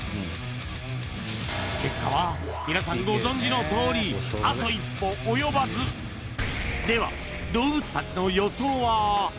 ご存じのとおりあと一歩及ばずでは動物たちの予想は？